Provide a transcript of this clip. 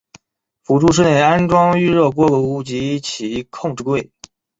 辅助室内安装预热锅炉及其控制柜。